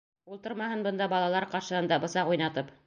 Ултырмаһын бында балалар ҡаршыһында бысаҡ уйнатып.